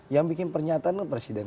yang bikin pernyataan itu presiden